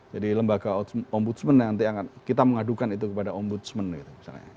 jadi lembaga ombudsman nanti kita mengadukan itu kepada ombudsman gitu